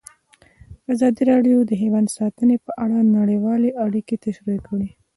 ازادي راډیو د حیوان ساتنه په اړه نړیوالې اړیکې تشریح کړي.